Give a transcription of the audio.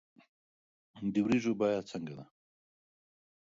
د ورجو بیه څنګه ده